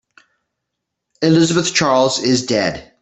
Elizabeth Charles is dead.